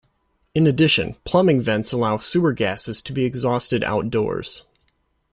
In addition, plumbing vents allow sewer gases to be exhausted outdoors.